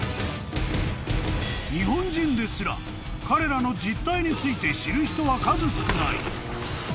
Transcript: ［日本人ですら彼らの実態について知る人は数少ない］